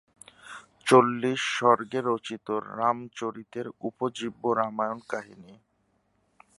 চল্লিশ সর্গে রচিত রামচরিতের উপজীব্য রামায়ণ-কাহিনী।